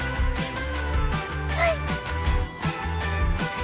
はい！